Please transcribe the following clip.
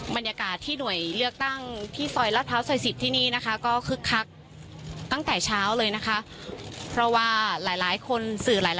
บรรยากาศที่หน่วยเลือกตั้งที่ซอยลาดพร้าวซอย๑๐ที่นี่นะคะก็คึกคักตั้งแต่เช้าเลยนะคะเพราะว่าหลายหลายคนสื่อหลาย